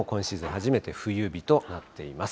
初めて冬日となっています。